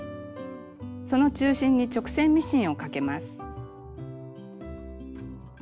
その中心に直線ミシンをかけます。